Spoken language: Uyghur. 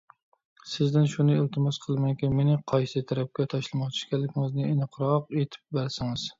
سىزدىن شۇنى ئىلتىماس قىلىمەنكى، مېنى قايسى تەرەپكە تاشلىماقچى ئىكەنلىكىڭىزنى ئېنىقراق ئېيتىپ بەرسىڭىز.